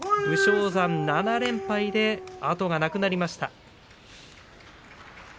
武将山、７連敗で後がなくなりました。